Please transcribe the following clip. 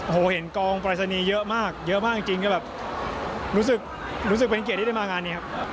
โอ้โหเห็นกองปรายศนีย์เยอะมากเยอะมากจริงก็แบบรู้สึกเป็นเกียรติที่ได้มางานนี้ครับ